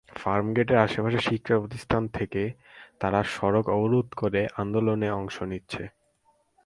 ফার্মগেটের আশপাশের শিক্ষাপ্রতিষ্ঠান থেকে তাঁরা সড়ক অবরোধ করে আন্দোলনে অংশ নিচ্ছে।